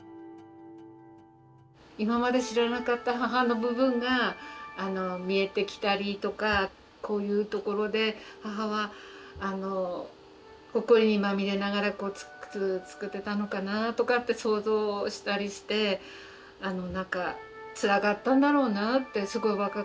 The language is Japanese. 今まで知らなかった母の部分が見えてきたりとかこういうところで母はほこりにまみれながら靴を作ってたのかなとかって想像したりしてつらかったんだろうなってすごい若かったしね。